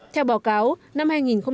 theo báo cáo năm hai nghìn một mươi tám